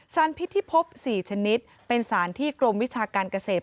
สารพิษที่พบ๔ชนิดเป็นสารที่กรมวิชาการเกษตร